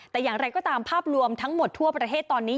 แต่อย่างไรก็ตามภาพรวมทั้งหมดทั่วประเทศตอนนี้